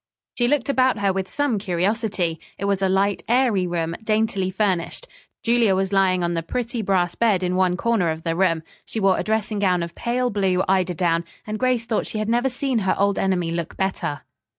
She looked about her with some curiosity. It was a light airy room, daintily furnished. Julia was lying on the pretty brass bed in one corner of the room. She wore a dressing gown of pale blue eiderdown, and Grace thought she had never seen her old enemy look better.